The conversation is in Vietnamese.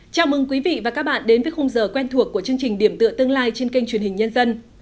chào mừng quý vị và các bạn đến với khung giờ quen thuộc của chương trình điểm tựa tương lai trên kênh truyền hình nhân dân